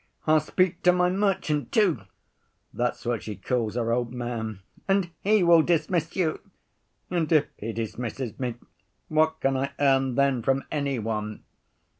I'll speak to my merchant too' (that's what she calls her old man) 'and he will dismiss you!' And if he dismisses me, what can I earn then from any one?